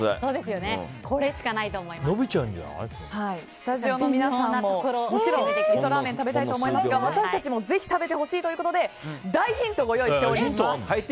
スタジオの皆さんも、もちろん味噌ラーメン食べたいと思いますが私たちもぜひ食べてほしいということで大ヒントをご用意しております。